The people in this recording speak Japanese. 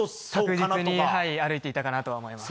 確実に歩いていたかなとは思います。